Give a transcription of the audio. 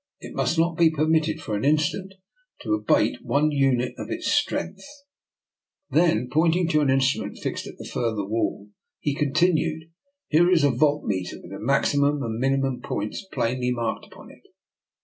It must not be permitted for an instant to abate one unit of its strength." Then, point DR. NIKOLA'S EXPERIMENT, 185 ing to an instrument fixed at the further wall, he continued :" Here is a volt meter, with the maximum and minimum points plainly marked upon it.